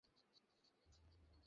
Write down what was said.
আমার ছেলে এখানে আছে!